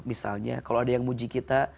misalnya kalau ada yang muji kita